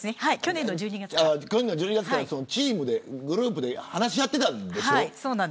去年の１２月からグループで話し合っていたんでしょ。